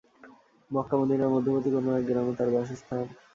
মক্কা-মদীনার মধ্যবর্তী কোন এক গ্রামে তার বাসস্থান।